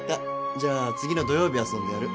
じゃあ次の土曜日遊んでやる